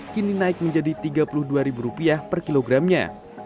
kini naik menjadi rp tiga puluh dua per kilogramnya